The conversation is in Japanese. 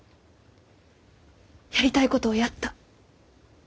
やりたいことをやった。